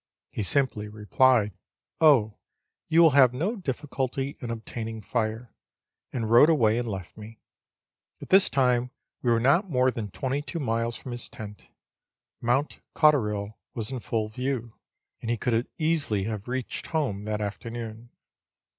He simply replied, " Oh, you will have no difficulty in obtaining fire," and rode away and left me. At this time we were not more than 22 miles from his tent. Mount Cotterill was in full view, and he could easily have reached home that afternoon.